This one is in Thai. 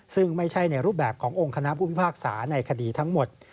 ซึ่งไม่ใช่ในรูปแบบขององค์คณะผู้พิพากษาในคดีทั้งหมด